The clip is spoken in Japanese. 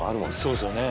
そうですよね